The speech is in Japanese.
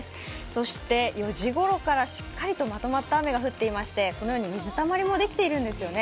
そして４時ごろからしっかりとまとまった雨が降っていましてこのように水たまりもできているんですよね。